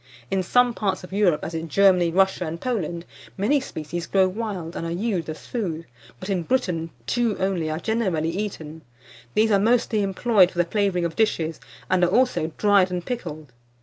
In some parts of Europe, as in Germany, Russia, and Poland, many species grow wild, and are used as food; but in Britain, two only are generally eaten. These are mostly employed for the flavouring of dishes, and are also dried and pickled.